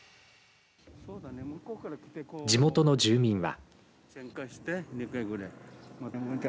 地元の住民は。